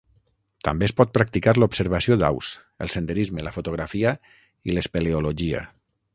També es pot practicar l'observació d'aus, el senderisme, la fotografia i l'espeleologia.